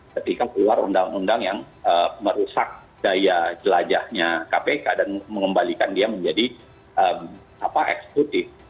ketika keluar undang undang yang merusak daya jelajahnya kpk dan mengembalikan dia menjadi eksekutif